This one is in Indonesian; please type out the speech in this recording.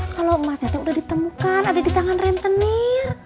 kalau emas jatuh udah ditemukan ada di tangan rentenir